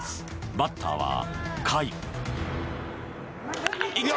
バッターは甲斐。